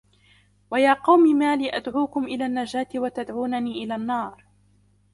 وَيَا قَوْمِ مَا لِي أَدْعُوكُمْ إِلَى النَّجَاةِ وَتَدْعُونَنِي إِلَى النَّارِ